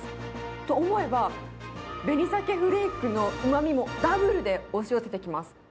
と思えば、紅ザケフレークのうまみも、ダブルで押し寄せてきます。